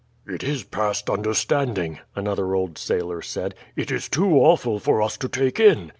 "It is past understanding," another old sailor said. "It is too awful for us to take in."